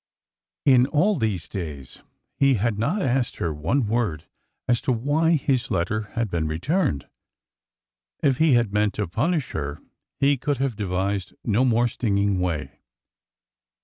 " In all these days he had not asked her one word as to why his letter had been returned. If he had meant to punish her, he could have devised no more stinging way.